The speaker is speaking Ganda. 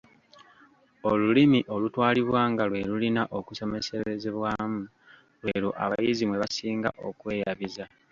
Olulimi olutwalibwa nga lwe lulina okusomeserezebwamu lw’elwo abayizi mwe basinga okweyabiza.